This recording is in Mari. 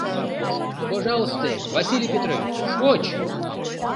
— Пожалысте, Василий Петрович, поч!